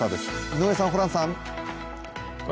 井上さん、ホランさん。